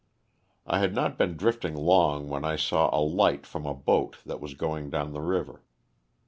I had not been drifting long when I saw a light from a boat that was going down the river.